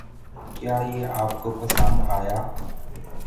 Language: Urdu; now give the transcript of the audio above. کیا یہ آپ کو پَسند آیا؟